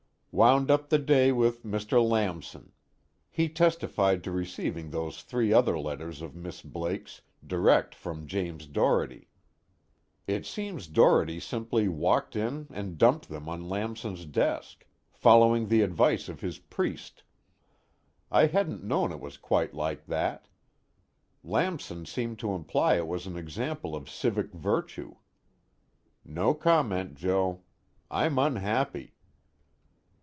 Wound up the day with Mr. Lamson; he testified to receiving those three other letters of Miss Blake's, direct from James Doherty. It seems Doherty simply walked in and dumped them on Lamson's desk, following the advice of his priest. I hadn't known it was quite like that. Lamson seemed to imply it was an example of civic virtue. No comment, Joe. I'm unhappy.